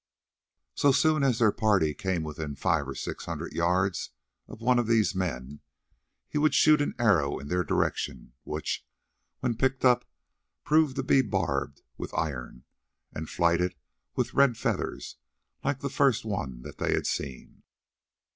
So soon as their party came within five or six hundred yards of one of these men, he would shoot an arrow in their direction, which, when picked up, proved to be barbed with iron, and flighted with red feathers like the first that they had seen.